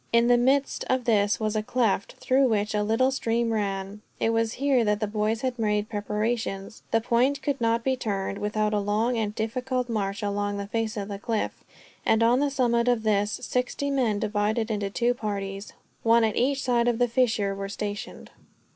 In the midst of this was a cleft, through which a little stream ran. It was here that the boys had made preparations. The point could not be turned, without a long and difficult march along the face of the cliff; and on the summit of this sixty men, divided into two parties, one on each side of the fissure, were stationed.